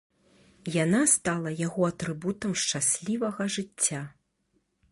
Яна стала яго атрыбутам шчаслівага жыцця.